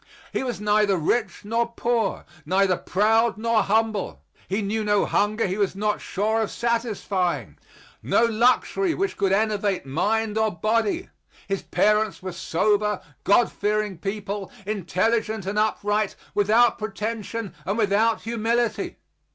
He was neither rich nor poor, neither proud nor humble; he knew no hunger he was not sure of satisfying, no luxury which could enervate mind or body. His parents were sober, God fearing people; intelligent and upright, without pretension and without humility.